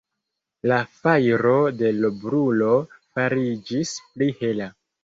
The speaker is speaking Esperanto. La fajro de l' brulo fariĝis pli hela.